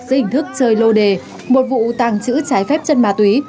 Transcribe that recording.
dưới hình thức chơi lô đề một vụ tàng trữ trái phép chân ma túy